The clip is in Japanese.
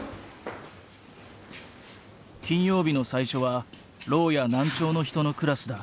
金曜日の最初はろうや難聴の人のクラスだ。